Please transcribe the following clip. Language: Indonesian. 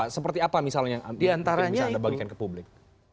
seperti apa misalnya yang bisa anda bagikan ke publik